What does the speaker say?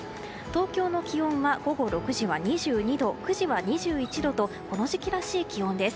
東京の気温は午後６時は２２度９時は２１度とこの時期らしい気温です。